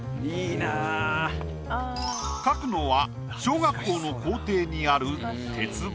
描くのは小学校の校庭にある。